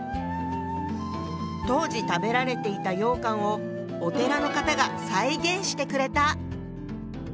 当時食べられていた羊羹をお寺の方が再現してくれた。